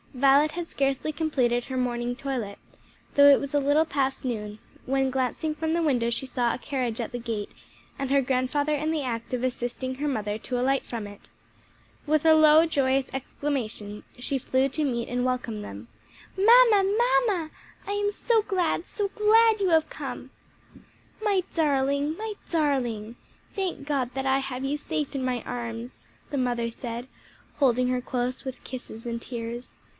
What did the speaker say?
Violet had scarcely completed her morning toilet, though it was a little past noon, when glancing from the window she saw a carriage at the gate and her grandfather in the act of assisting her mother to alight from it. With a low, joyous exclamation, she flew to meet and welcome them. "Mamma, mamma! I am so glad, so glad you have come!" "My darling, my darling! Thank God that I have you safe in my arms!" the mother said, holding her close with kisses and tears.